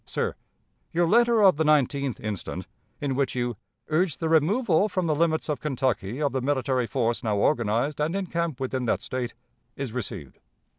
_ "Sir: Your letter of the 19th instant, in which you 'urge the removal from the limits of Kentucky of the military force now organized and in camp within that State,' is received.